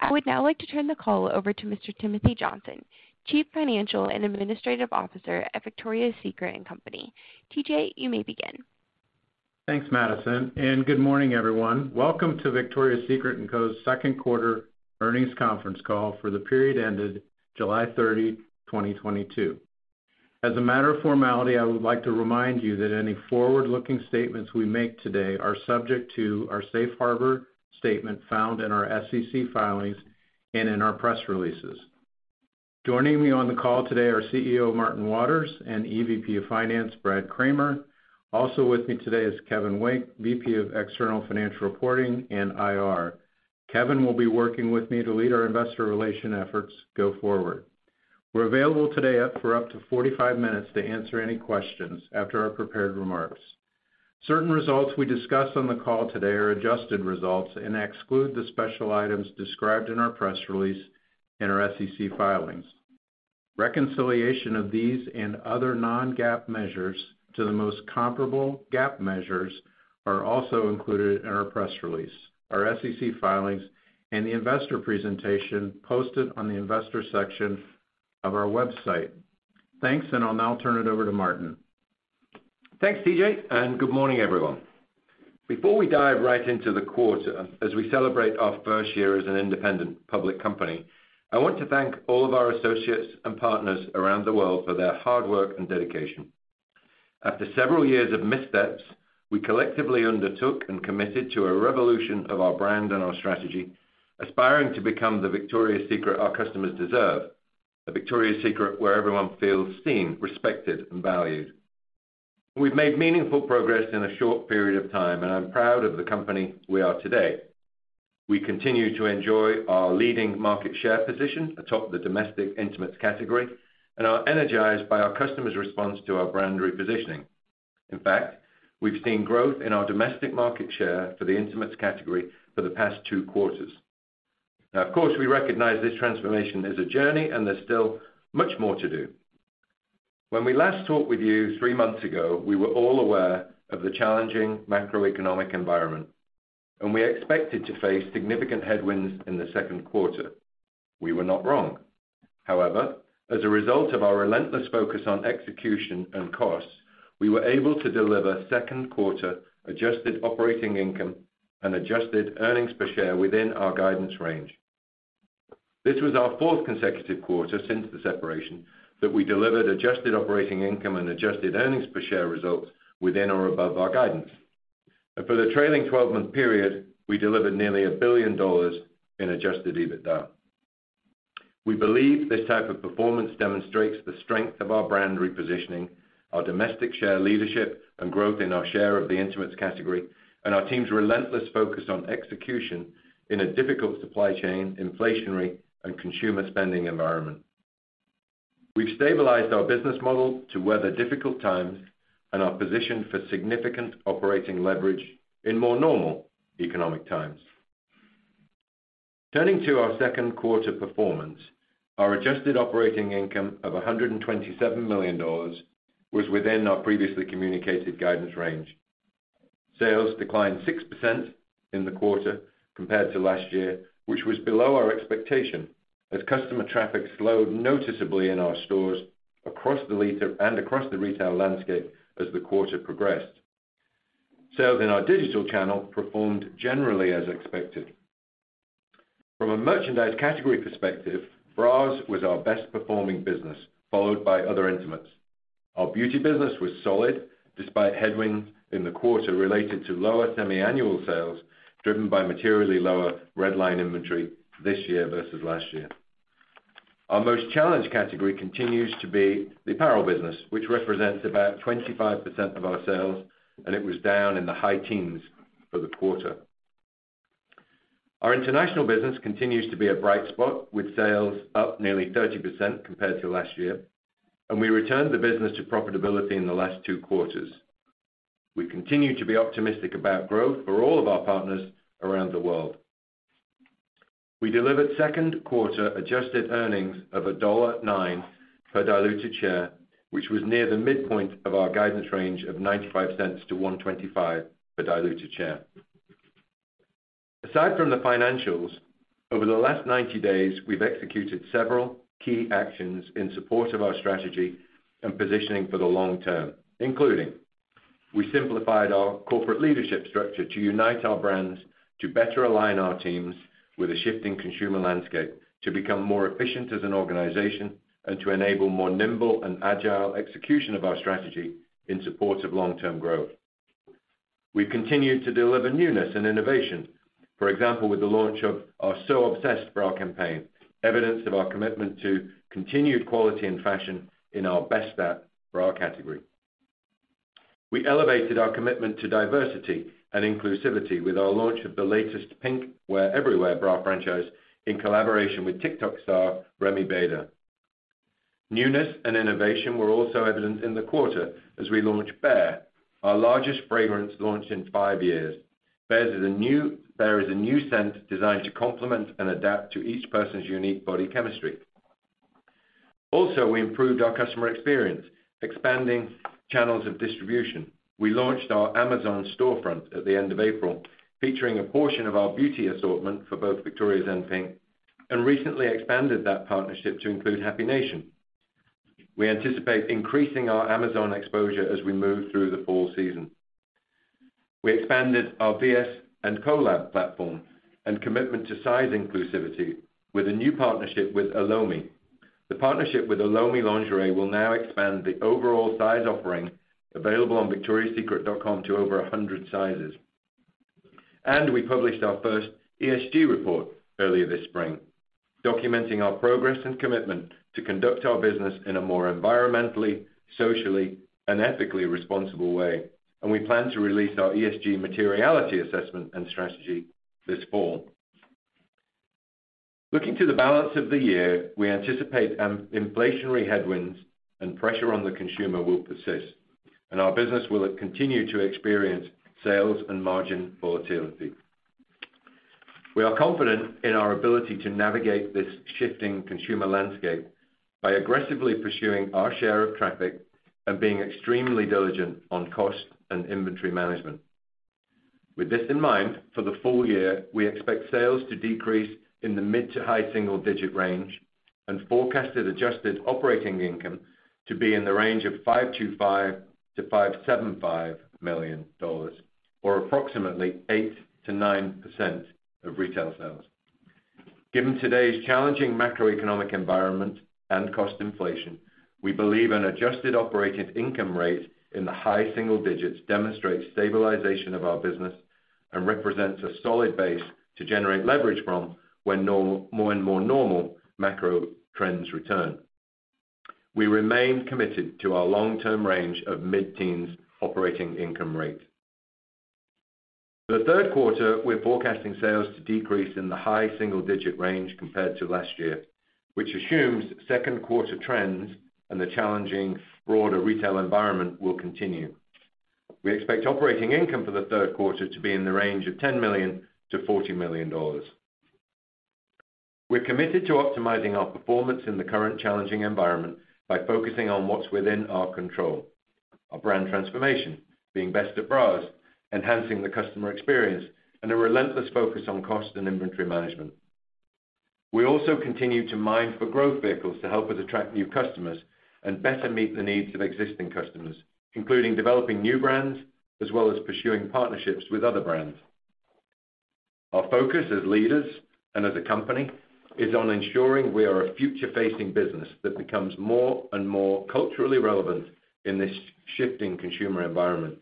Thanks, Madison, and good morning, everyone. Welcome to Victoria's Secret & Co. Q2 earnings conference call for the period ended July 30, 2022. As a matter of formality, I would like to remind you that any forward-looking statements we make today are subject to our Safe Harbor Statement found in our SEC filings and in our press releases. Joining me on the call today are Martin Waters CEO and Brad Kramer EVP of Finance. Also with me today is Kevin Wynk, VP of External Financial Reporting and IR. Kevin will be working with me to lead our investor relations efforts going forward. We're available today up to 45 minutes to answer any questions after our prepared remarks. Certain results we discuss on the call today are adjusted results and exclude the special items described in our press release and our SEC filings. Reconciliation of these and other non-GAAP measures to the most comparable GAAP measures are also included in our press release, our SEC filings and the investor presentation posted on the Investor Relations section of our website. Thanks, and I'll now turn it over to Martin. Thanks, TJ, and good morning, everyone. Before we dive right into the quarter, as we celebrate our first year as an independent public company, I want to thank all of our associates and partners around the world for their hard work and dedication. After several years of missteps, we collectively undertook and committed to a revolution of our brand and our strategy, aspiring to become the Victoria's Secret our customers deserve, a Victoria's Secret where everyone feels seen, respected, and valued. We've made meaningful progress in a short period of time, and I'm proud of the company we are today. We continue to enjoy our leading market share position atop the domestic intimates category and are energized by our customers' response to our brand repositioning. In fact, we've seen growth in our domestic market share for the intimates category for the past two quarters. Now, of course, we recognize this transformation is a journey, and there's still much more to do. When we last talked with you three months ago, we were all aware of the challenging macroeconomic environment, and we expected to face significant headwinds in the Q2. We were not wrong. However, as a result of our relentless focus on execution and costs, we were able to deliver Q2 adjusted operating income and adjusted earnings per share within our guidance range. This was our fourth consecutive quarter since the separation that we delivered adjusted operating income and adjusted earnings per share results within or above our guidance. For the trailing 12-month period, we delivered nearly $1 billion in adjusted EBITDA. We believe this type of performance demonstrates the strength of our brand repositioning, our domestic share leadership and growth in our share of the intimates category, and our team's relentless focus on execution in a difficult supply chain, inflationary and consumer spending environment. We've stabilized our business model to weather difficult times and are positioned for significant operating leverage in more normal economic times. Turning to our Q2 performance, our adjusted operating income of $127 million was within our previously communicated guidance range. Sales declined 6% in the quarter compared to last year, which was below our expectation as customer traffic slowed noticeably in our stores across the retail landscape as the quarter progressed. Sales in our digital channel performed generally as expected. From a merchandise category perspective, bras was our best performing business, followed by other intimates. Our beauty business was solid despite headwinds in the quarter related to lower semiannual sales, driven by materially lower red line inventory this year versus last year. Our most challenged category continues to be the apparel business, which represents about 25% of our sales, and it was down in the high teens for the quarter. Our international business continues to be a bright spot, with sales up nearly 30% compared to last year, and we returned the business to profitability in the last two quarters. We continue to be optimistic about growth for all of our partners around the world. We delivered Q2 adjusted earnings of $1.09 per diluted share, which was near the midpoint of our guidance range of $0.95 to $1.25 per diluted share. Aside from the financials, over the last 90 days, we've executed several key actions in support of our strategy and positioning for the long term, including we simplified our corporate leadership structure to unite our brands, to better align our teams with a shifting consumer landscape, to become more efficient as an organization, and to enable more nimble and agile execution of our strategy in support of long-term growth. We've continued to deliver newness and innovation, for example, with the launch of our So Obsessed bra campaign, evidence of our commitment to continued quality and fashion in our best bra category. We elevated our commitment to diversity and inclusivity with our launch of the latest PINK Wear Everywhere bra franchise in collaboration with TikTok star Remi Bader. Newness and innovation were also evident in the quarter as we launched Bare, our largest fragrance launch in 5 years. Bare is a new scent designed to complement and adapt to each person's unique body chemistry. Also, we improved our customer experience, expanding channels of distribution. We launched our Amazon storefront at the end of April, featuring a portion of our beauty assortment for both Victoria's and PINK, and recently expanded that partnership to include Happy Nation. We anticipate increasing our Amazon exposure as we move through the fall season. We expanded our VS & Co-Lab platform and commitment to size inclusivity with a new partnership with Elomi. The partnership with Elomi Lingerie will now expand the overall size offering available on VictoriasSecret.com to over 100 sizes. We published our first ESG report earlier this spring, documenting our progress and commitment to conduct our business in a more environmentally, socially and ethically responsible way. We plan to release our ESG materiality assessment and strategy this fall. Looking to the balance of the year, we anticipate inflationary headwinds and pressure on the consumer will persist, and our business will continue to experience sales and margin volatility. We are confident in our ability to navigate this shifting consumer landscape by aggressively pursuing our share of traffic and being extremely diligent on cost and inventory management. With this in mind, for the full year, we expect sales to decrease in the mid- to high-single-digit range and forecasted adjusted operating income to be in the range of $525 million-$575 million, or approximately 8% to 9% of retail sales. Given today's challenging macroeconomic environment and cost inflation, we believe an adjusted operating income rate in the high-single digits demonstrates stabilization of our business and represents a solid base to generate leverage from when more and more normal macro trends return. We remain committed to our long-term range of mid-teens operating income rate. For Q3, we're forecasting sales to decrease in the high single-digit range compared to last year, which assumes Q2 trends and the challenging broader retail environment will continue. We expect operating income for Q3 to be in the range of $10 million-$40 million. We're committed to optimizing our performance in the current challenging environment by focusing on what's within our control, our brand transformation, being best at bras, enhancing the customer experience, and a relentless focus on cost and inventory management. We also continue to mine for growth vehicles to help us attract new customers and better meet the needs of existing customers, including developing new brands as well as pursuing partnerships with other brands. Our focus as leaders and as a company is on ensuring we are a future-facing business that becomes more and more culturally relevant in this shifting consumer environment.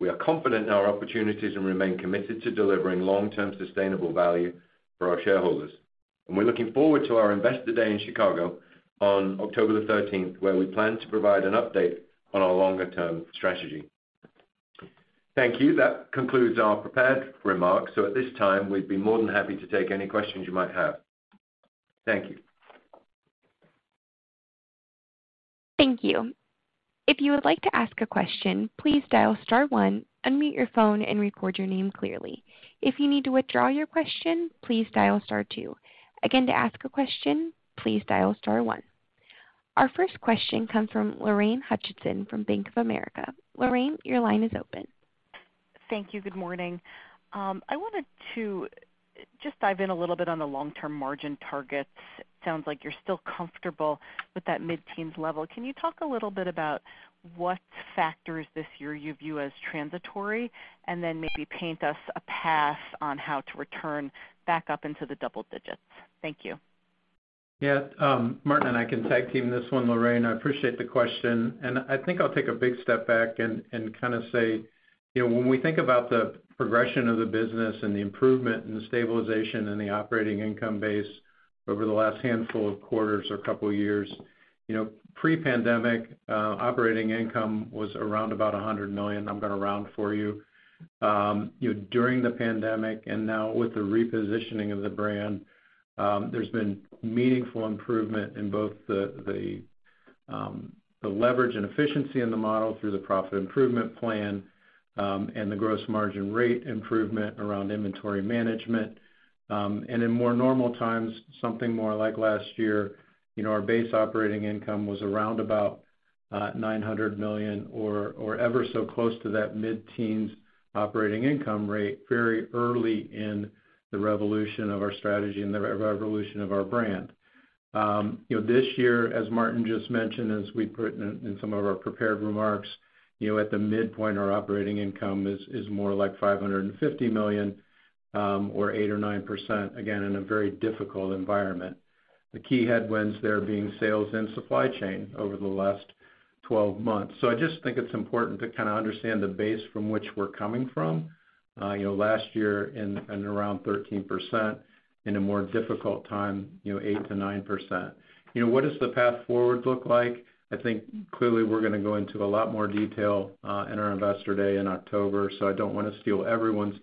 We are confident in our opportunities and remain committed to delivering long-term sustainable value for our shareholders. We're looking forward to our Investor Day in Chicago on October 13, where we plan to provide an update on our longer-term strategy. Thank you. That concludes our prepared remarks. At this time, we'd be more than happy to take any questions you might have. Thank you. Thank you. Good morning. I wanted to just dive in a little bit on the long-term margin targets. Sounds like you're still comfortable with that mid-teens level. Can you talk a little bit about what factors this year you view as transitory, and then maybe paint us a path on how to return back up into the double digits? Thank you. Yeah. Martin and I can tag team this one, Lorraine. I appreciate the question. I think I'll take a big step back and kind of say, when we think about the progression of the business and the improvement and the stabilization in the operating income base over the last handful of quarters or couple of years, pre-pandemic, operating income was around $100 million. I'm gonna round for you. During the pandemic, and now with the repositioning of the brand, there's been meaningful improvement in both the leverage and efficiency in the model through the profit improvement plan, and the gross margin rate improvement around inventory management. In more normal times, something more like last year, our base operating income was around about $900 million or ever so close to that mid-teens operating income rate very early in the revolution of our strategy and the revolution of our brand. This year, as Martin just mentioned, as we put in some of our prepared remarks, at the midpoint, our operating income is more like $550 million or 8% or 9%, again, in a very difficult environment. The key headwinds there being sales and supply chain over the last 12 months. I just think it's important to kinda understand the base from which we're coming from. Last year in and around 13% in a more difficult time 8% to 9%. What does the path forward look like? I think clearly we're gonna go into a lot more detail, in our Investor Day in October, so I don't wanna steal everyone's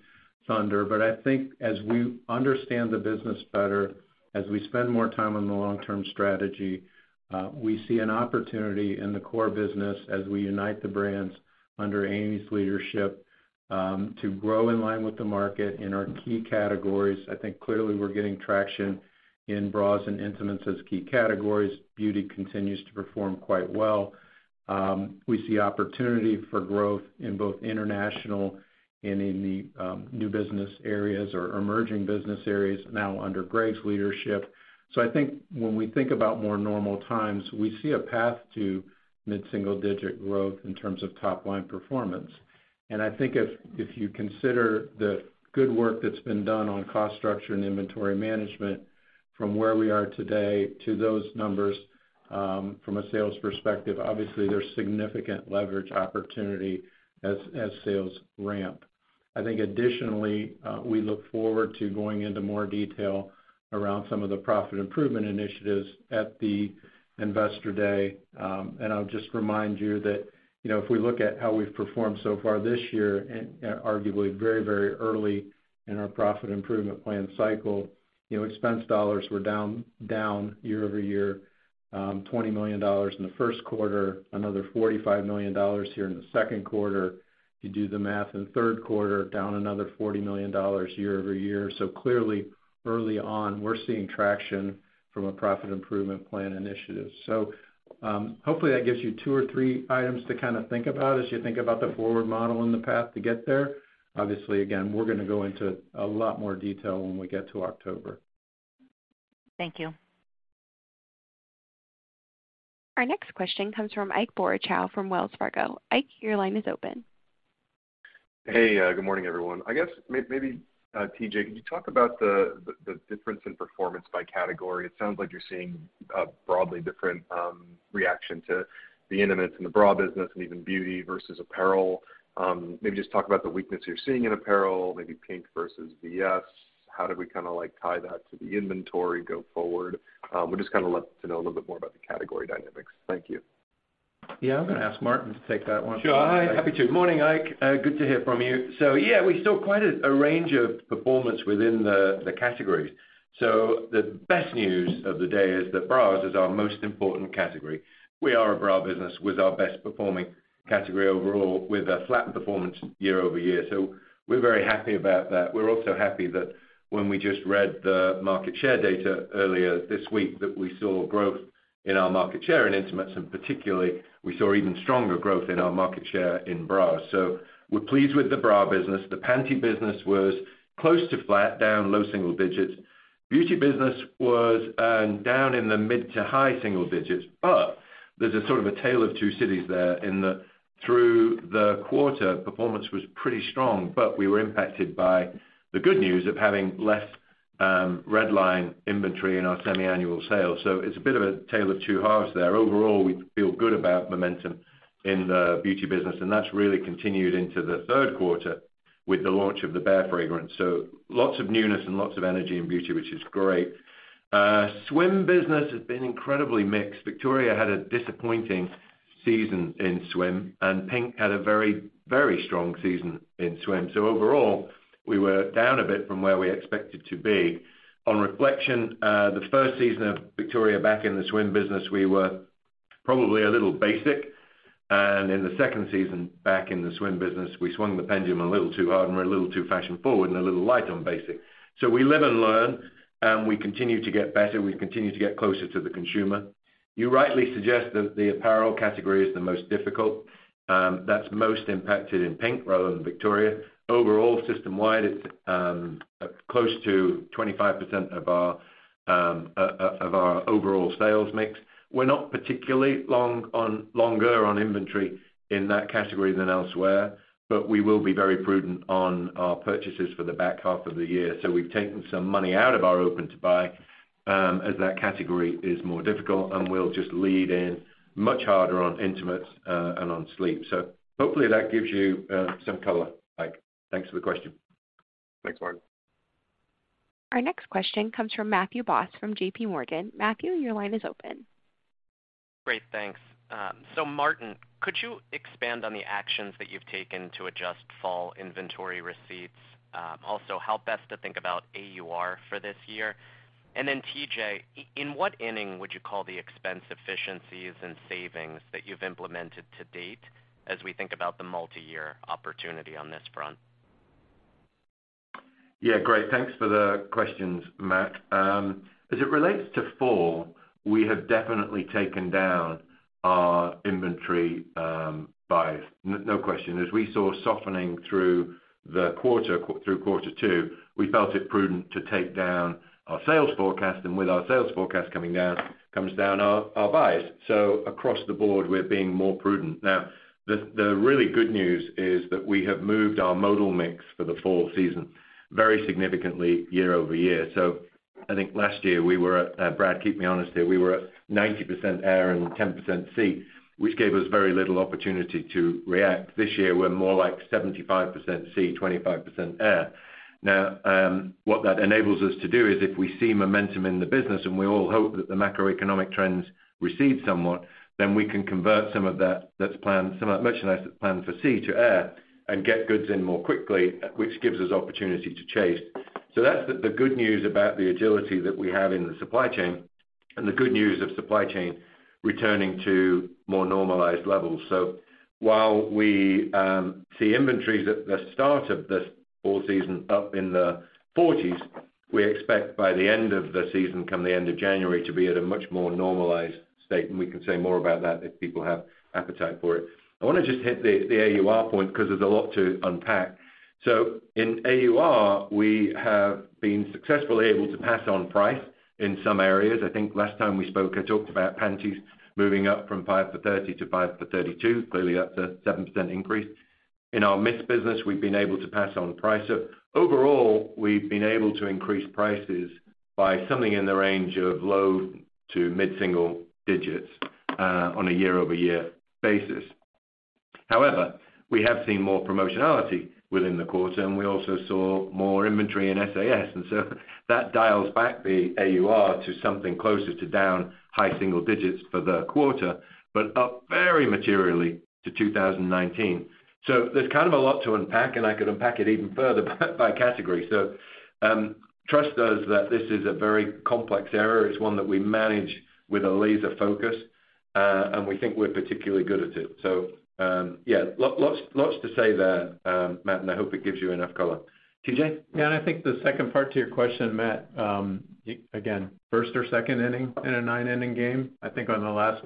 thunder. I think as we understand the business better, as we spend more time on the long-term strategy, we see an opportunity in the core business as we unite the brands under Amy's leadership, to grow in line with the market in our key categories. I think clearly we're getting traction in bras and intimates as key categories. Beauty continues to perform quite well. We see opportunity for growth in both international and in the, new business areas or emerging business areas now under Greg's leadership. I think when we think about more normal times, we see a path to mid-single digit growth in terms of top-line performance. I think if you consider the good work that's been done on cost structure and inventory management from where we are today to those numbers, from a sales perspective, obviously there's significant leverage opportunity as sales ramp. I think additionally, we look forward to going into more detail around some of the profit improvement initiatives at the Investor Day. I'll just remind you that, if we look at how we've performed so far this year and, arguably very, very early in our profit improvement plan cycle, expense dollars were down year-over-year, $20 million in the Q1, another $45 million here in the Q2. You do the math in the Q3, down another $40 million year-over-year. Clearly early on, we're seeing traction from a profit improvement plan initiative. Hopefully that gives you two or three items to kinda think about as you think about the forward model and the path to get there. Obviously, again, we're gonna go into a lot more detail when we get to October. Thank you. Hey, good morning, everyone. I guess maybe TJ, could you talk about the difference in performance by category? It sounds like you're seeing a broadly different reaction to the intimates and the bra business and even beauty versus apparel. Maybe just talk about the weakness you're seeing in apparel, maybe PINK versus VS. How do we kinda like tie that to the inventory go forward? Would just kinda love to know a little bit more about the category dynamics. Thank you. Yeah. I'm gonna ask Martin to take that one. Sure. Hi. Happy to. Morning, Ike. Good to hear from you. Yeah, we saw quite a range of performance within the categories. The best news of the day is that bras is our most important category. We are a bra business with our best performing category overall with a flat performance year-over-year. We're very happy about that. We're also happy that when we just read the market share data earlier this week, that we saw growth in our market share in intimates, and particularly we saw even stronger growth in our market share in bras. We're pleased with the bra business. The panty business was close to flat, down low single digits. Beauty business was down in the mid- to high-single digits, but there's a sort of a tale of two cities there through the quarter, performance was pretty strong, but we were impacted by the good news of having less redline inventory in our semi-annual sale. It's a bit of a tale of two halves there. Overall, we feel good about momentum in the beauty business, and that's really continued into the Q3 with the launch of the Bare fragrance. Lots of newness and lots of energy in beauty, which is great. Swim business has been incredibly mixed. Victoria had a disappointing season in swim, and PINK had a very, very strong season in swim. Overall, we were down a bit from where we expected to be. On reflection, the first season of Victoria back in the swim business, we were probably a little basic, and in the second season back in the swim business, we swung the pendulum a little too hard and were a little too fashion-forward and a little light on basic. We live and learn, and we continue to get better. We continue to get closer to the consumer. You rightly suggest that the apparel category is the most difficult. That's most impacted in PINK rather than Victoria. Overall, system-wide, it's close to 25% of our overall sales mix. We're not particularly longer on inventory in that category than elsewhere, but we will be very prudent on our purchases for the back half of the year. We've taken some money out of our open to buy, as that category is more difficult, and we'll just lean in much harder on intimates, and on sleep. Hopefully that gives you some color, Ike. Thanks for the question. Thanks, Martin. Great. Thanks. Martin, could you expand on the actions that you've taken to adjust fall inventory receipts? Also, how best to think about AUR for this year? Then TJ, in what inning would you call the expense efficiencies and savings that you've implemented to date as we think about the multiyear opportunity on this front? Yeah, great. Thanks for the questions, Matt. As it relates to fall, we have definitely taken down our inventory buys. No question. As we saw softening through quarter two, we felt it prudent to take down our sales forecast, and with our sales forecast coming down, comes down our buys. Across the board, we're being more prudent. Now, the really good news is that we have moved our modal mix for the fall season very significantly year-over-year. I think last year, we were at, Brad, keep me honest here. We were at 90% air and 10% sea, which gave us very little opportunity to react. This year, we're more like 75% sea, 25% air. Now, what that enables us to do is if we see momentum in the business, and we all hope that the macroeconomic trends recede somewhat, then we can convert some of that merchandise that's planned for sea to air and get goods in more quickly, which gives us opportunity to chase. That's the good news about the agility that we have in the supply chain and the good news of supply chain returning to more normalized levels. While we see inventories at the start of the fall season up in the forties, we expect by the end of the season, come the end of January, to be at a much more normalized state. We can say more about that if people have appetite for it. I wanna just hit the AUR point because there's a lot to unpack. In AUR, we have been successfully able to pass on price in some areas. I think last time we spoke, I talked about panties moving up from $5-$30 to $5-$32, clearly up 7% increase. In our mixed business, we've been able to pass on price. Overall, we've been able to increase prices by something in the range of low- to mid-single digits% on a year-over-year basis. However, we have seen more promotionality within the quarter, and we also saw more inventory in SAS. That dials back the AUR to something closer to down high-single digits% for the quarter, but up very materially to 2019. There's kind of a lot to unpack, and I could unpack it even further by category. Trust us that this is a very complex area. It's one that we manage with a laser focus, and we think we're particularly good at it. Yeah, lots to say there, Matt, and I hope it gives you enough color. TJ? Yeah. I think the second part to your question, Matthew, again, first or second inning in a nine-inning game. I think on the last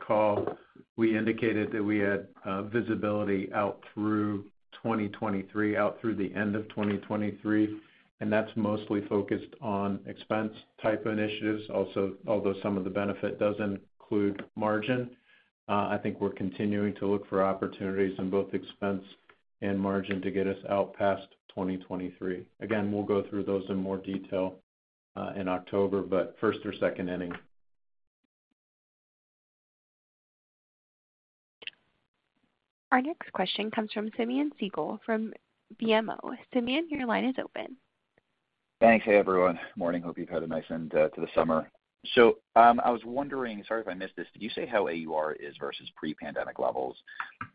call, we indicated that we had visibility out through 2023, out through the end of 2023, and that's mostly focused on expense-type initiatives. Although some of the benefit does include margin, I think we're continuing to look for opportunities in both expense and margin to get us out past 2023. Again, we'll go through those in more detail in October, but first or second inning. Thanks. Hey, everyone. Morning. Hope you've had a nice end to the summer. I was wondering, sorry if I missed this, did you say how AUR is versus pre-pandemic levels?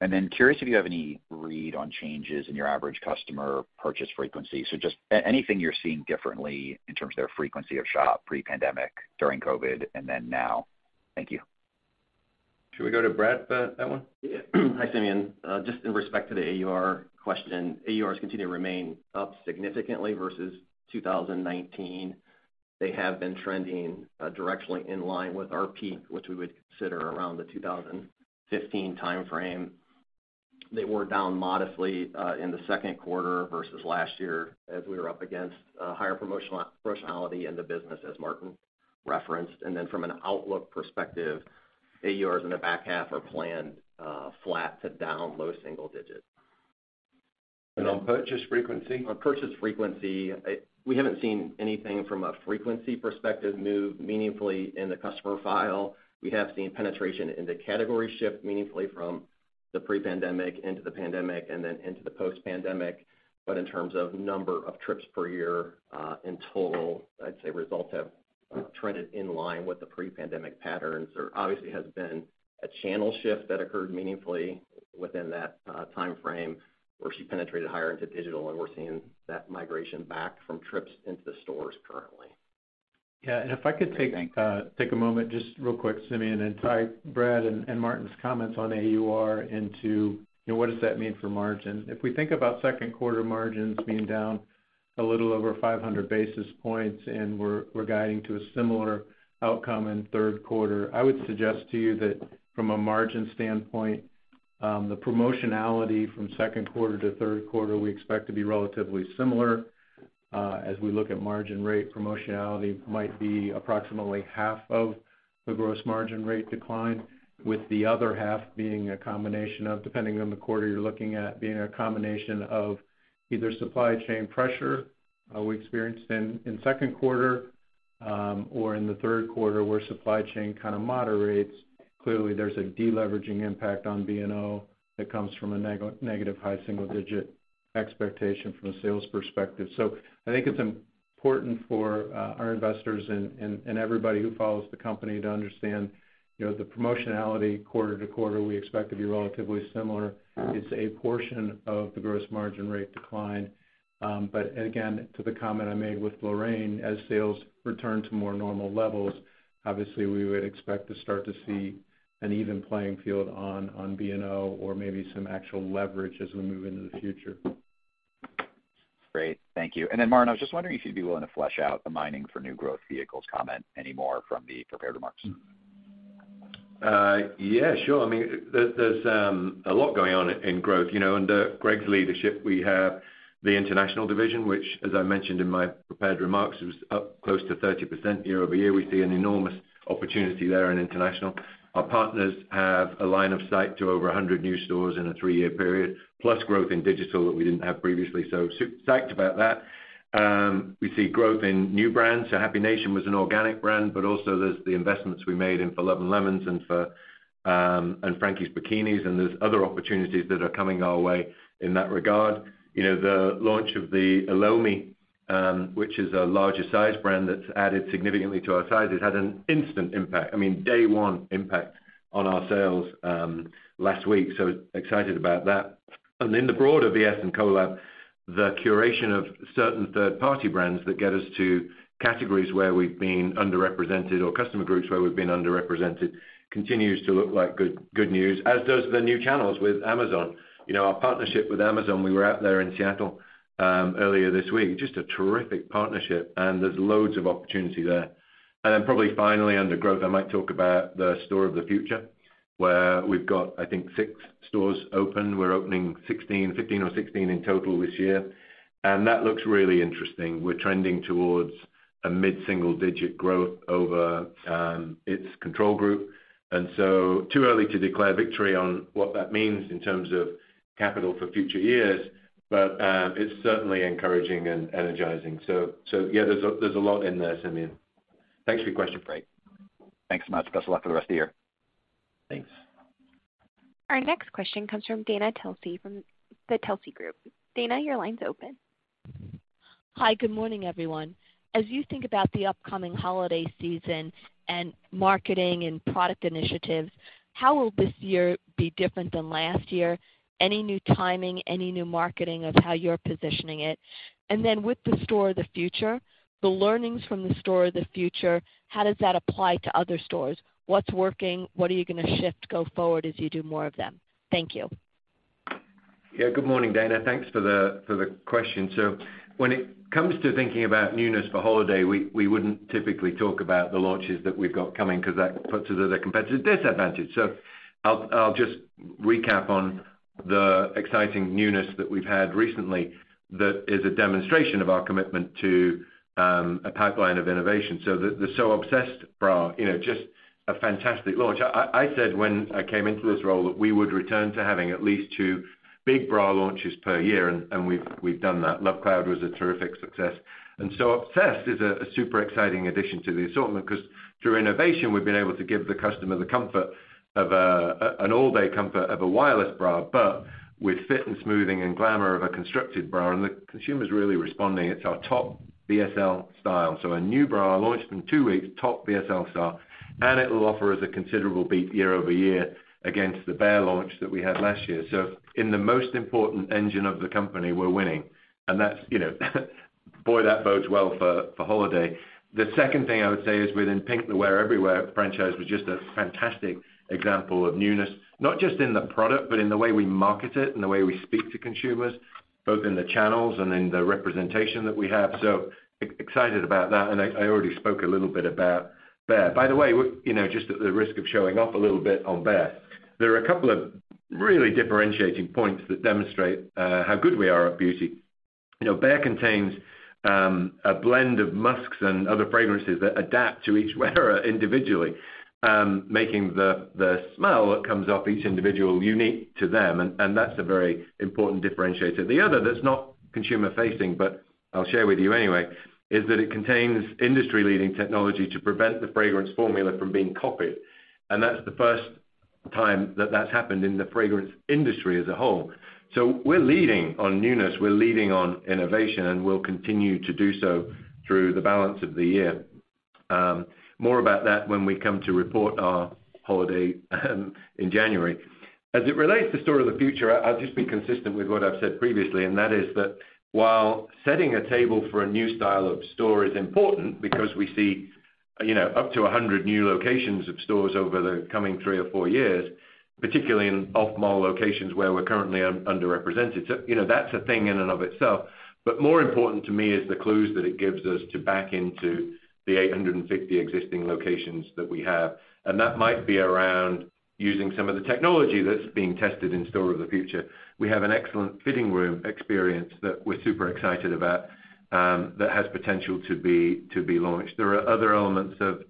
Curious if you have any read on changes in your average customer purchase frequency. Just anything you're seeing differently in terms of their frequency of shop pre-pandemic, during COVID, and then now. Thank you. Should we go to Brad for that one? Yeah. Hi, Simeon. Just in respect to the AUR question, AURs continue to remain up significantly versus 2019. They have been trending directionally in line with our peak, which we would consider around 2015. They were down modestly in the Q2 versus last year as we were up against higher promotionality in the business as Martin referenced. Then from an outlook perspective, AURs in the back half are planned flat to down low single-digit. On purchase frequency? On purchase frequency, we haven't seen anything from a frequency perspective move meaningfully in the customer file. We have seen penetration in the category shift meaningfully from the pre-pandemic into the pandemic and then into the post-pandemic. In terms of number of trips per year, in total, I'd say results have trended in line with the pre-pandemic patterns. There obviously has been a channel shift that occurred meaningfully within that timeframe where she penetrated higher into digital, and we're seeing that migration back from trips into the stores currently. Yeah. If I could take Thanks Take a moment just real quick, Simeon, and tie Brad and Martin's comments on AUR into, what does that mean for margin? If we think about Q2 margins being down a little over 500 basis points and we're guiding to a similar outcome in Q3, I would suggest to you that from a margin standpoint, the promotionality from Q2 to Q3, we expect to be relatively similar. As we look at margin rate, promotionality might be approximately half of the gross margin rate decline, with the other half being a combination of, depending on the quarter you're looking at, either supply chain pressure we experienced in Q2, or in the Q3 where supply chain kind of moderates. Clearly, there's a deleveraging impact on B&O that comes from a negative high-single-digit expectation from a sales perspective. I think it's important for our investors and everybody who follows the company to understand, the promotionality quarter to quarter, we expect to be relatively similar. It's a portion of the gross margin rate decline. Again, to the comment I made with Lorraine, as sales return to more normal levels, obviously we would expect to start to see an even playing field on B&O or maybe some actual leverage as we move into the future. Great. Thank you. Martin, I was just wondering if you'd be willing to flesh out the mindset for new growth vehicles comment any more from the prepared remarks. I mean, there's a lot going on in growth. Under Greg's leadership, we have the international division, which as I mentioned in my prepared remarks, was up close to 30% year-over-year. We see an enormous opportunity there in international. Our partners have a line of sight to over 100 new stores in a 3-year period, plus growth in digital that we didn't have previously. Stoked about that. We see growth in new brands. Happy Nation was an organic brand, but also there's the investments we made in For Love & Lemons and Frankie's Bikinis, and there's other opportunities that are coming our way in that regard. The launch of the Elomi, which is a larger size brand that's added significantly to our size, has had an instant impact. I mean, day one impact on our sales last week, so excited about that. In the broader VS & Co-Lab, the curation of certain third-party brands that get us to categories where we've been underrepresented or customer groups where we've been underrepresented continues to look like good news, as does the new channels with Amazon. Our partnership with Amazon, we were out there in Seattle earlier this week, just a terrific partnership, and there's loads of opportunity there. Then probably finally, under growth, I might talk about the Store of the Future, where we've got, I think, six stores open. We're opening 15 or 16 in total this year, and that looks really interesting. We're trending towards a mid-single digit growth over its control group. Too early to declare victory on what that means in terms of capital for future years. It's certainly encouraging and energizing. Yeah, there's a lot in there, Simeon. Thanks for your question. Great. Thanks so much. Best of luck for the rest of the year. Thanks. Hi. Good morning, everyone. As you think about the upcoming holiday season and marketing and product initiatives, how will this year be different than last year? Any new timing? Any new marketing of how you're positioning it? With the Store of the Future, the learnings from the Store of the Future, how does that apply to other stores? What's working? What are you gonna shift go forward as you do more of them? Thank you. Yeah, good morning, Dana. Thanks for the question. When it comes to thinking about newness for holiday, we wouldn't typically talk about the launches that we've got coming because that puts us at a competitive disadvantage. I'll just recap on the exciting newness that we've had recently that is a demonstration of our commitment to a pipeline of innovation. The So Obsessed bra, just a fantastic launch. I said when I came into this role that we would return to having at least two big bra launches per year, and we've done that. Love Cloud was a terrific success. So Obsessed is a super exciting addition to the assortment because through innovation, we've been able to give the customer the comfort of an all-day comfort of a wireless bra, but with fit and smoothing and glamour of a constructed bra. The consumer's really responding. It's our top best-selling style. A new bra launched in two weeks, top best-selling style, and it will offer us a considerable beat year-over-year against the Bare launch that we had last year. In the most important engine of the company, we're winning. That's, boy that bodes well for holiday. The second thing I would say is within PINK Wear Everywhere franchise was just a fantastic example of newness, not just in the product, but in the way we market it and the way we speak to consumers, both in the channels and in the representation that we have. Excited about that, and I already spoke a little bit about Bare. By the way, just at the risk of showing off a little bit on Bare, there are a couple of really differentiating points that demonstrate how good we are at beaut. Bare contains a blend of musks and other fragrances that adapt to each wearer individually, making the smell that comes off each individual unique to them, and that's a very important differentiator. The other that's not consumer-facing, but I'll share with you anyway, is that it contains industry-leading technology to prevent the fragrance formula from being copied. That's the first time that that's happened in the fragrance industry as a whole. We're leading on newness, we're leading on innovation, and we'll continue to do so through the balance of the year. More about that when we come to report our holiday in January. As it relates to Store of the Future, I'll just be consistent with what I've said previously, and that is that while setting a table for a new style of store is important because we see, up to 100 new locations of stores over the coming three or four years, particularly in off-mall locations where we're currently underrepresented. That's a thing in and of itself. More important to me is the clues that it gives us to back into the 850 existing locations that we have. That might be around using some of the technology that's being tested in Store of the Future. We have an excellent fitting room experience that we're super excited about that has potential to be launched. There are other elements of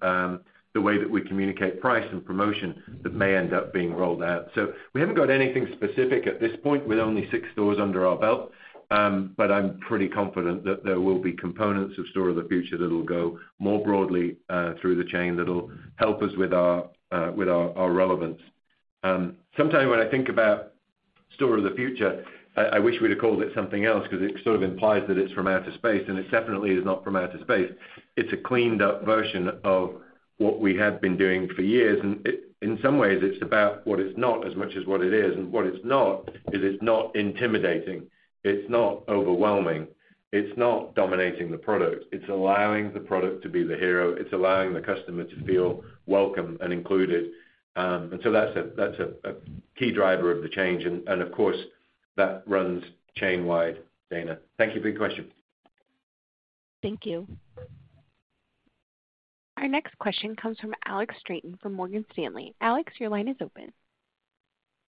the way that we communicate price and promotion that may end up being rolled out. We haven't got anything specific at this point with only six stores under our belt. I'm pretty confident that there will be components of Store of the Future that'll go more broadly through the chain that'll help us with our relevance. Sometimes when I think about Store of the Future, I wish we'd have called it something else 'cause it sort of implies that it's from outer space, and it definitely is not from outer space. It's a cleaned-up version of what we have been doing for years. It, in some ways, it's about what it's not as much as what it is. What it's not is it's not intimidating. It's not overwhelming. It's not dominating the product. It's allowing the product to be the hero. It's allowing the customer to feel welcome and included. That's a key driver of the change. Of course, that runs chain-wide, Dana. Thank you for your question. Thank you.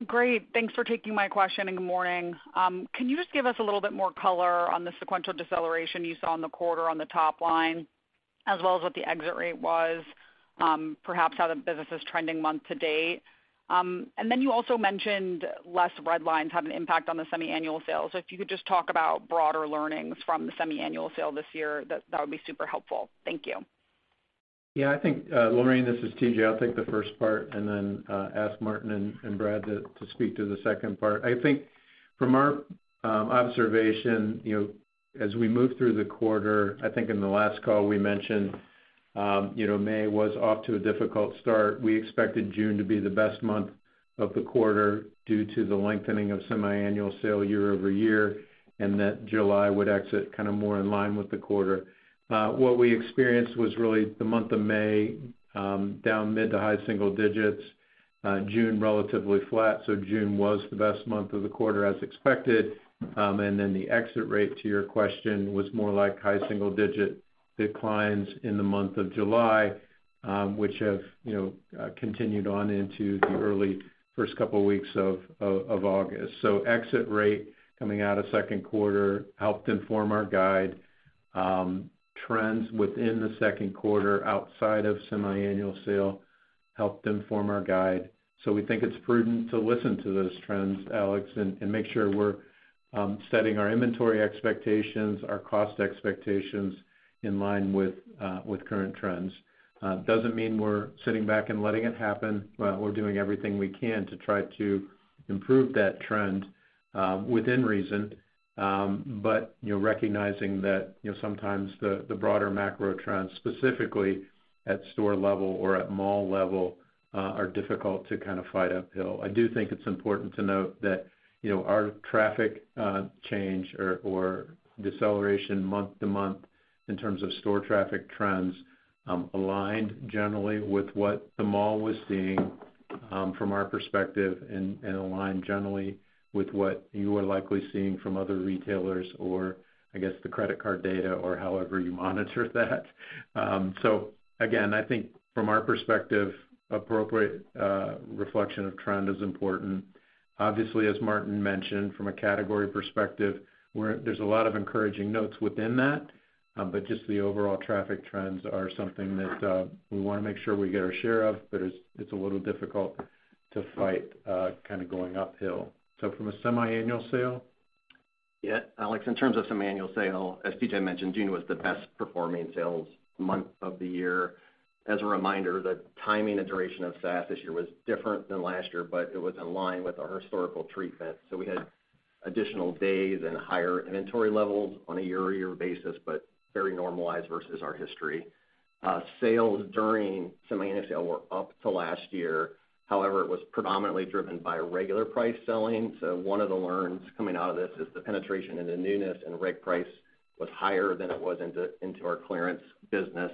Great. Thanks for taking my question and good morning. Can you just give us a little bit more color on the sequential deceleration you saw in the quarter on the top line, as well as what the exit rate was, perhaps how the business is trending month to date? You also mentioned less red lines have an impact on the semiannual sales. If you could just talk about broader learnings from the semiannual sale this year, that would be super helpful. Thank you. Yeah, I think, Lorraine, this is TJ. I'll take the first part and then ask Martin and Brad to speak to the second part. I think from our observation, as we move through the quarter, I think in the last call we mentioned, May was off to a difficult start. We expected June to be the best month of the quarter due to the lengthening of semiannual sale year-over-year, and that July would exit kind of more in line with the quarter. What we experienced was really the month of May, down mid- to high-single digits. June, relatively flat, so June was the best month of the quarter as expected. Then the exit rate, to your question, was more like high single-digit% declines in the month of July, which have continued on into the early first couple weeks of August. Exit rate coming out of Q2 helped inform our guide. Trends within the Q2 outside of semiannual sale helped inform our guide. We think it's prudent to listen to those trends, Alex, and make sure we're setting our inventory expectations, our cost expectations in line with current trends. Doesn't mean we're sitting back and letting it happen. We're doing everything we can to try to improve that trend within reason. Recognizing that, sometimes the broader macro trends, specifically at store level or at mall level, are difficult to kind of fight uphill. I do think it's important to note that, our traffic change or deceleration month-to-month in terms of store traffic trends, aligned generally with what the mall was seeing, from our perspective and aligned generally with what you are likely seeing from other retailers or I guess the credit card data or however you monitor that. Again, I think from our perspective, appropriate reflection of trend is important. Obviously, as Martin mentioned, from a category perspective, there's a lot of encouraging notes within that, but just the overall traffic trends are something that we wanna make sure we get our share of, but it's a little difficult to fight kind of going uphill. From a semiannual sale. Yeah, Alex, in terms of semiannual sale, as TJ mentioned, June was the best performing sales month of the year. As a reminder, the timing and duration of SAS this year was different than last year, but it was in line with our historical treatment. We had additional days and higher inventory levels on a year-over-year basis, but very normalized versus our history. Sales during semiannual sale were up to last year. However, it was predominantly driven by regular priced selling. One of the learnings coming out of this is the penetration into newness and reg price was higher than it was into our clearance business.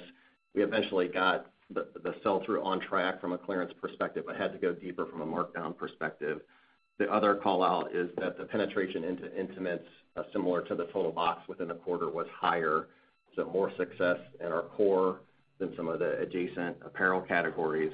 We eventually got the sell-through on track from a clearance perspective, but had to go deeper from a markdown perspective. The other call-out is that the penetration into intimates, similar to the total box within the quarter, was higher, so more success in our core than some of the adjacent apparel categories.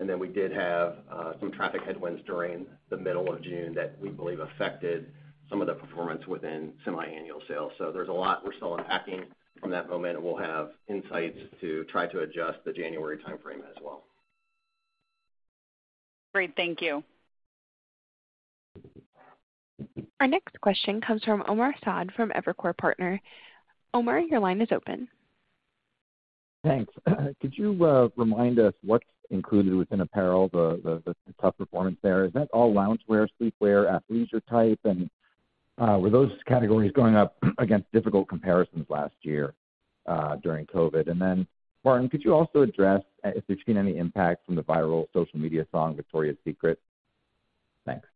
Then we did have some traffic headwinds during the middle of June that we believe affected some of the performance within semiannual sales. There's a lot we're still unpacking from that moment, and we'll have insights to try to adjust the January timeframe as well. Great. Thank you. Thanks. Could you remind us what's included within apparel, the tough performance there? Is that all loungewear, sleepwear, athleisure type? Were those categories going up against difficult comparisons last year during COVID? Martin, could you also address if there's been any impact from the viral social media song, Victoria's Secret? Thanks.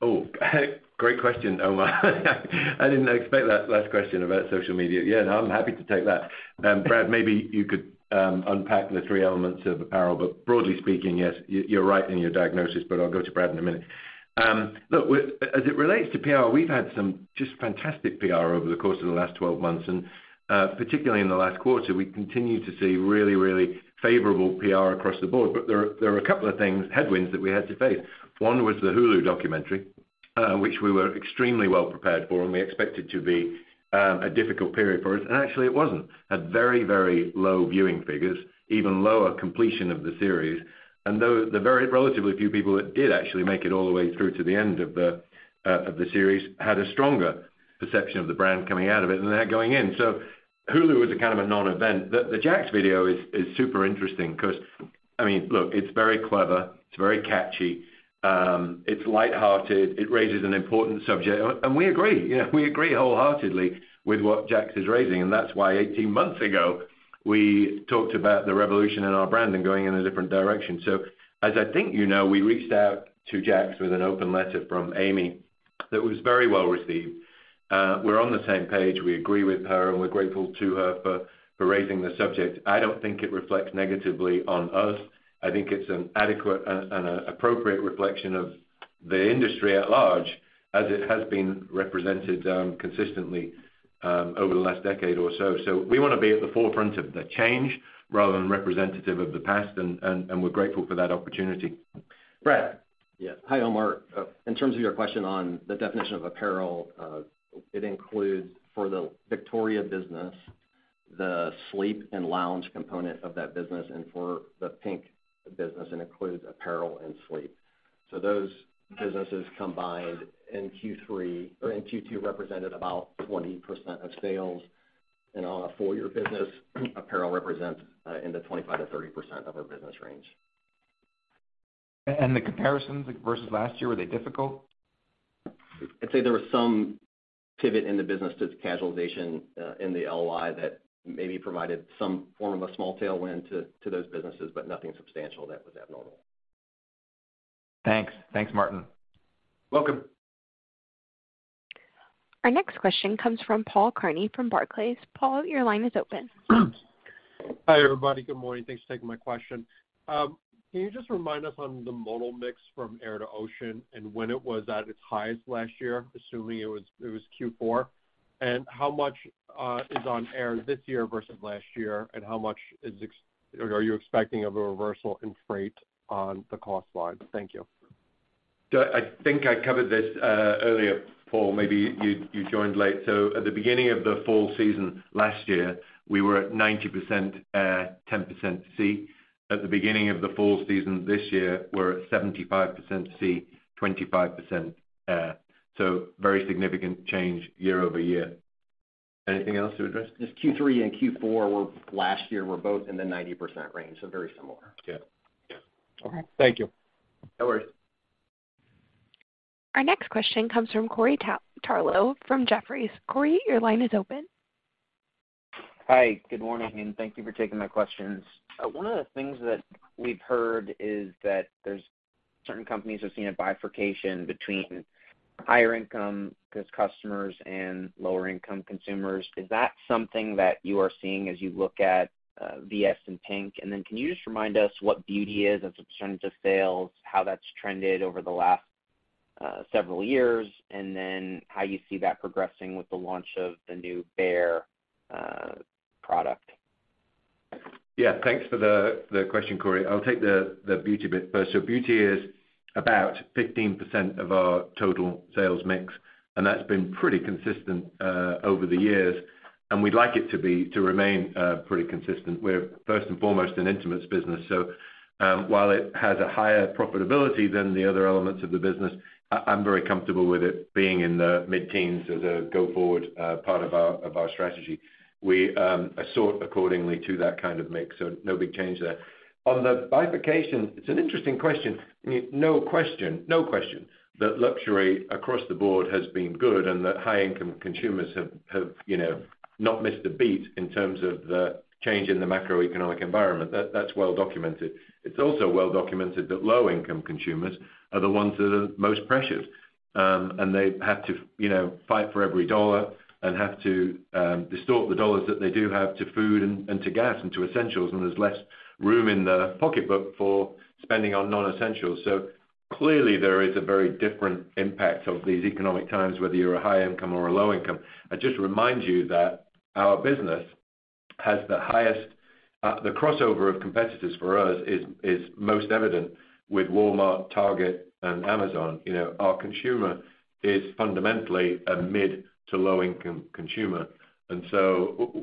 Oh, great question, Omar. I didn't expect that last question about social media. Yeah, no, I'm happy to take that. Brad, maybe you could unpack the three elements of apparel, but broadly speaking, yes, you're right in your diagnosis, but I'll go to Brad in a minute. Look, as it relates to PR, we've had some just fantastic PR over the course of the last 12 months. Particularly in the last quarter, we continue to see really favorable PR across the board. There are a couple of things, headwinds that we had to face. One was the Hulu documentary, which we were extremely well prepared for, and we expected to be a difficult period for us, and actually it wasn't. Had very low viewing figures, even lower completion of the series. Though the very relatively few people that did actually make it all the way through to the end of the series had a stronger perception of the brand coming out of it than they had going in. Hulu was a kind of a non-event. The Jax video is super interesting because, I mean, look, it's very clever, it's very catchy, it's light-hearted, it raises an important subject, and we agree. We agree wholeheartedly with what Jax is raising, and that's why 18 months ago, we talked about the revolution in our brand and going in a different direction. As I think we reached out to Jax with an open letter from Amy that was very well received. We're on the same page. We agree with her, and we're grateful to her for raising the subject. I don't think it reflects negatively on us. I think it's an adequate and a appropriate reflection of The industry at large, as it has been represented, consistently, over the last decade or so. We wanna be at the forefront of the change rather than representative of the past, and we're grateful for that opportunity. Brad. Yeah. Hi, Omar. In terms of your question on the definition of apparel, it includes for the Victoria business, the sleep and lounge component of that business, and for the PINK business, it includes apparel and sleep. Those businesses combined in Q2 represented about 20% of sales. On a full year business, apparel represents in the 25% to 30% of our business range. The comparisons versus last year, were they difficult? I'd say there was some pivot in the business to the casualization in the LY that maybe provided some form of a small tailwind to those businesses, but nothing substantial that was abnormal. Thanks. Thanks, Martin. Welcome. Hi, everybody. Good morning. Thanks for taking my question. Can you just remind us on the modal mix from air to ocean and when it was at its highest last year, assuming it was Q4? How much is on air this year versus last year, and how much is, or are you expecting a reversal in freight on the cost slide? Thank you. I think I covered this earlier, Paul. Maybe you joined late. At the beginning of the fall season last year, we were at 90% air, 10% sea. At the beginning of the fall season this year, we're at 75% sea, 25% air. Very significant change year-over-year. Anything else to address? Just Q3 and Q4 last year were both in the 90% range, so very similar. Yeah. Yeah. Okay. Thank you. No worries. Hi. Good morning, and thank you for taking my questions. One of the things that we've heard is that there are certain companies that have seen a bifurcation between higher income customers and lower income consumers. Is that something that you are seeing as you look at VS and PINK? And then can you just remind us what beauty is as a percentage of sales, how that's trended over the last several years, and then how you see that progressing with the launch of the new Bare product? Yeah. Thanks for the question, Corey. I'll take the beauty bit first. Beauty is about 15% of our total sales mix, and that's been pretty consistent over the years, and we'd like it to remain pretty consistent. We're first and foremost an intimates business, so while it has a higher profitability than the other elements of the business, I'm very comfortable with it being in the mid-teens as a go-forward part of our strategy. We assort accordingly to that kind of mix, no big change there. On the bifurcation, it's an interesting question. No question that luxury across the board has been good and that high-income consumers have, not missed a beat in terms of the change in the macroeconomic environment. That's well documented. It's well documented that low-income consumers are the ones that are most pressured, and they have to, fight for every dollar and have to distort the dollars that they do have to food and to gas and to essentials, and there's less room in the pocketbook for spending on non-essentials. Clearly there is a very different impact of these economic times, whether you're a high income or a low income. I'd just remind you that the crossover of competitors for us is most evident with Walmart, Target, and Amazon. Our consumer is fundamentally a mid to low-income consumer.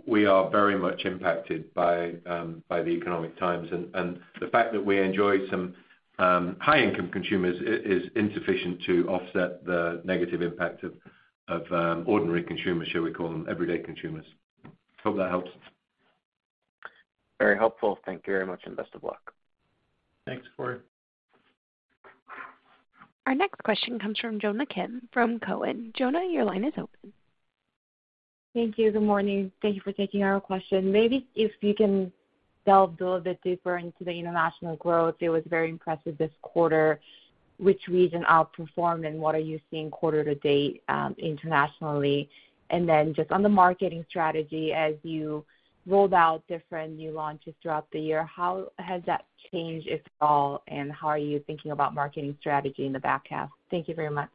We are very much impacted by the economic times. The fact that we enjoy some high-income consumers is insufficient to offset the negative impact of ordinary consumers, shall we call them, everyday consumers. Hope that helps. Very helpful. Thank you very much, and best of luck. Thanks, Corey. Thank you. Good morning. Thank you for taking our question. Maybe if you can delve a little bit deeper into the international growth, it was very impressive this quarter, which region outperformed, and what are you seeing quarter to date, internationally? Just on the marketing strategy, as you rolled out different new launches throughout the year, how has that changed, if at all, and how are you thinking about marketing strategy in the back half? Thank you very much.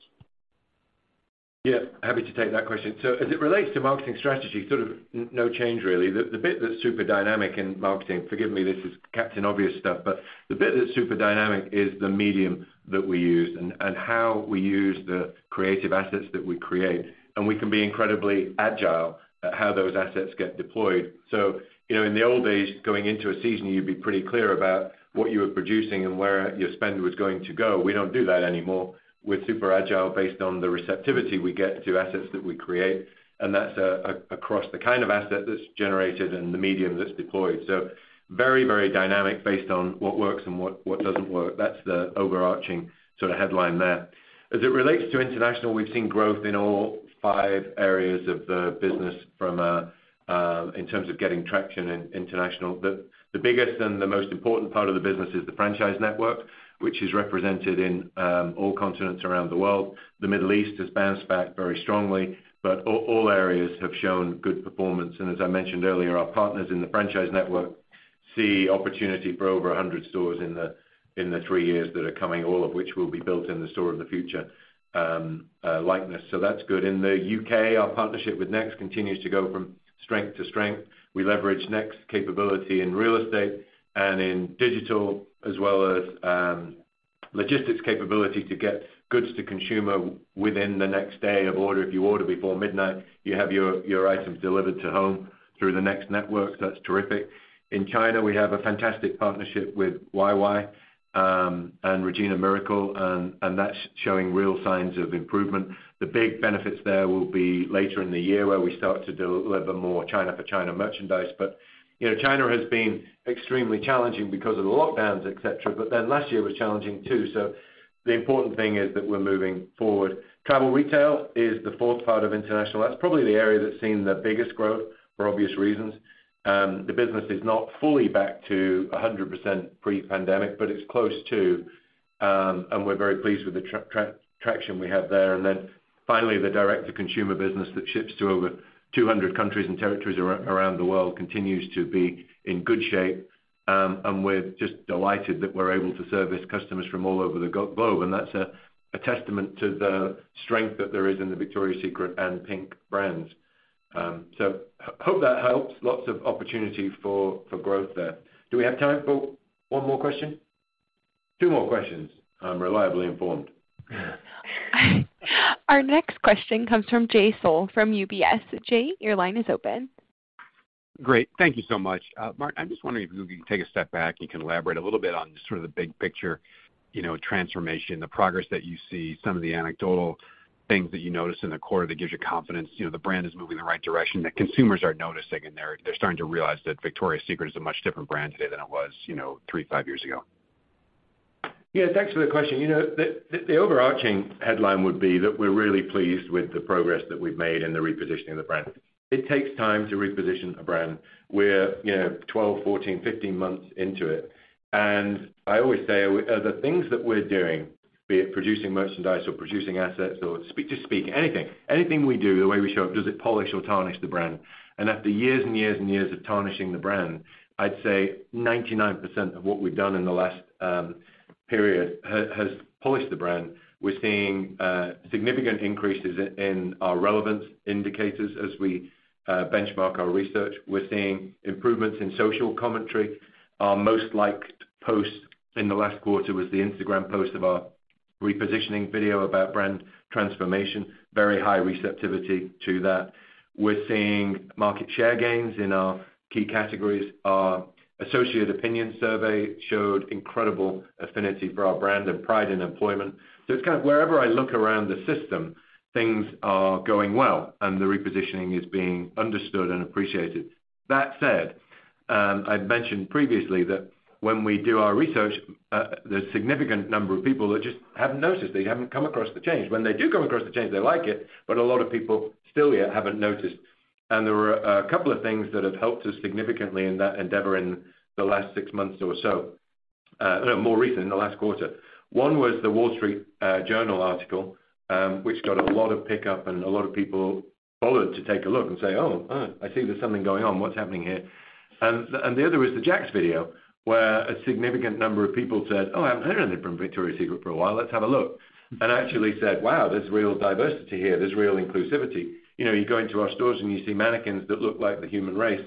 Yeah, happy to take that question. As it relates to marketing strategy, sort of no change really. The bit that's super dynamic in marketing, forgive me, this is captain obvious stuff, but the bit that's super dynamic is the medium that we use and how we use the creative assets that we create, and we can be incredibly agile at how those assets get deployed. You know, in the old days, going into a season, you'd be pretty clear about what you were producing and where your spend was going to go. We don't do that anymore. We're super agile based on the receptivity we get to assets that we create, and that's across the kind of asset that's generated and the medium that's deployed. Very, very dynamic based on what works and what doesn't work. That's the overarching sort of headline there. As it relates to international, we've seen growth in all 5 areas of the business from a in terms of getting traction in international. The biggest and the most important part of the business is the franchise network, which is represented in all continents around the world. The Middle East has bounced back very strongly, but all areas have shown good performance. As I mentioned earlier, our partners in the franchise network sees opportunity for over 100 stores in the 3 years that are coming, all of which will be built in the Store of the Future likeness. That's good. In the UK, our partnership with Next continues to go from strength to strength. We leverage Next capability in real estate and in digital, as well as logistics capability to get goods to consumer within the next day of order. If you order before midnight, you have your items delivered to home through the Next network. That's terrific. In China, we have a fantastic partnership with YY and Regina Miracle and that's showing real signs of improvement. The big benefits there will be later in the year where we start to deliver more China for China merchandise. You know, China has been extremely challenging because of the lockdowns, et cetera. Then last year was challenging too. The important thing is that we're moving forward. Travel retail is the fourth part of international. That's probably the area that's seen the biggest growth for obvious reasons. The business is not fully back to 100% pre-pandemic, but it's close to. We're very pleased with the traction we have there. Then finally, the direct-to-consumer business that ships to over 200 countries and territories around the world continues to be in good shape. We're just delighted that we're able to service customers from all over the globe. That's a testament to the strength that there is in the Victoria's Secret and PINK brands. Hope that helps. Lots of opportunity for growth there. Do we have time for one more question? Two more questions, I'm reliably informed. Great. Thank you so much. Mark, I'm just wondering if you can take a step back and can elaborate a little bit on just sort of the big picture, transformation, the progress that you see, some of the anecdotal things that you notice in the quarter that gives you confidence, the brand is moving in the right direction, that consumers are noticing, and they're starting to realize that Victoria's Secret is a much different brand today than it was, three to five years ago. Yeah, thanks for the question. The overarching headline would be that we're really pleased with the progress that we've made in the repositioning of the brand. It takes time to reposition a brand. We're, 12, 14, 15 months into it. I always say the things that we're doing, be it producing merchandise or producing assets or speak to speak, anything we do, the way we show up, does it polish or tarnish the brand? After years and years and years of tarnishing the brand, I'd say 99% of what we've done in the last period has polished the brand. We're seeing significant increases in our relevance indicators as we benchmark our research. We're seeing improvements in social commentary. Our most liked post in the last quarter was the Instagram post of our repositioning video about brand transformation. Very high receptivity to that. We're seeing market share gains in our key categories. Our associate opinion survey showed incredible affinity for our brand and pride in employment. It's kind of wherever I look around the system, things are going well, and the repositioning is being understood and appreciated. That said, I've mentioned previously that when we do our research, there's a significant number of people that just haven't noticed. They haven't come across the change. When they do come across the change, they like it, but a lot of people still yet haven't noticed. There are a couple of things that have helped us significantly in that endeavor more recently, in the last quarter. One was The Wall Street Journal article, which got a lot of pickup and a lot of people followed to take a look and say, "Oh, oh, I see there's something going on. What's happening here?" And the other was the Jax video, where a significant number of people said, "Oh, I haven't heard anything from Victoria's Secret for a while. Let's have a look," and actually said, "Wow, there's real diversity here. There's real inclusivity." You go into our stores, and you see mannequins that look like the human race.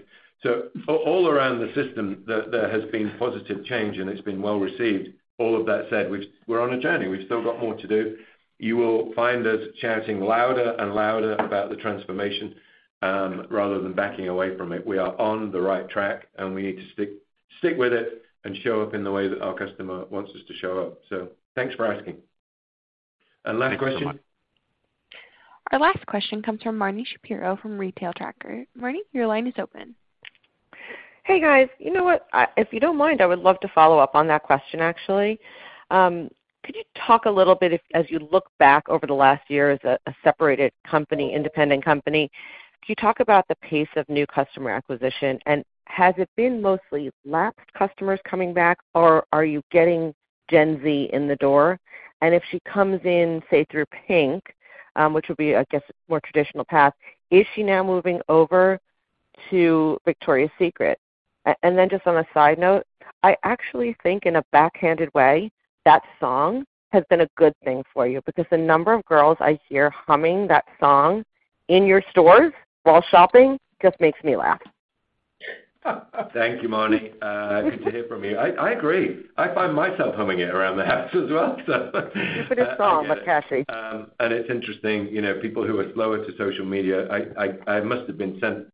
All around the system, there has been positive change, and it's been well received. All of that said, we're on a journey. We've still got more to do. You will find us shouting louder and louder about the transformation, rather than backing away from it. We are on the right track, and we need to stick with it and show up in the way that our customer wants us to show up. Thanks for asking. Last question. Thank you very much. Hey, guys. You know what? If you don't mind, I would love to follow up on that question, actually. Could you talk a little bit about, as you look back over the last year as a separated company, independent company, about the pace of new customer acquisition, and has it been mostly lapsed customers coming back, or are you getting Gen Z in the door? If she comes in, say, through PINK, which would be, I guess, more traditional path, is she now moving over to Victoria's Secret? Just on a side note, I actually think in a backhanded way, that song has been a good thing for you because the number of girls I hear humming that song in your stores while shopping just makes me laugh. Thank you, Marni. Good to hear from you. I agree. I find myself humming it around the house as well, so. It's a good song, but catchy. It's interesting, you know, people who are slower to social media. I must have been sent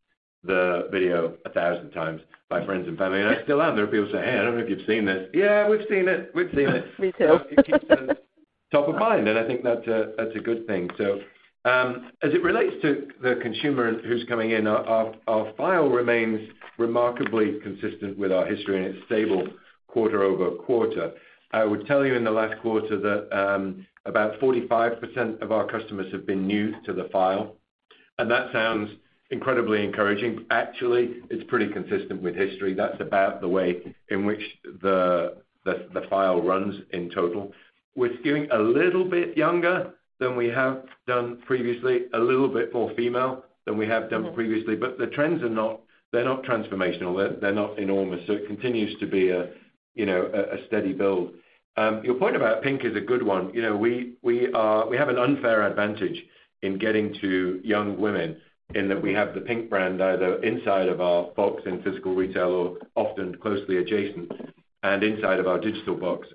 the video 1,000 times by friends and family, and I still am. There are people saying, "Hey, I don't know if you've seen this." Yeah, we've seen it. We've seen it. Me too. It keeps it top of mind, and I think that's a good thing. As it relates to the consumer who's coming in, our file remains remarkably consistent with our history, and it's stable quarter-over-quarter. I would tell you in the last quarter that about 45% of our customers have been new to the file, and that sounds incredibly encouraging. Actually, it's pretty consistent with history. That's about the way in which the file runs in total. We're skewing a little bit younger than we have done previously, a little bit more female than we have done previously. Mm-hmm. The trends are not transformational. They're not enormous, so it continues to be, a steady build. Your point about PINK is a good one. You know, we have an unfair advantage in getting to young women in that we have the PINK brand either inside of our box in physical retail or often closely adjacent and inside of our digital box.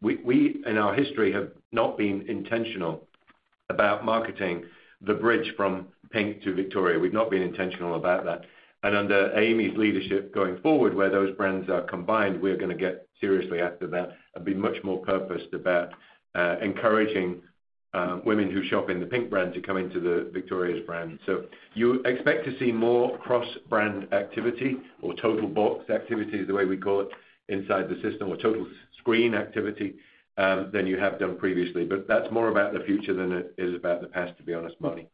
We in our history have not been intentional about marketing the bridge from PINK to Victoria. We've not been intentional about that. Under Amy's leadership going forward, where those brands are combined, we're gonna get seriously after that and be much more purposed about encouraging women who shop in the PINK brand to come into the Victoria's brand. You expect to see more cross-brand activity or total box activity, is the way we call it, inside the system or total screen activity, than you have done previously. That's more about the future than it is about the past, to be honest, Marni.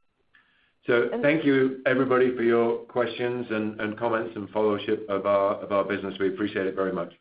Thank you, everybody, for your questions and comments and followership of our business. We appreciate it very much.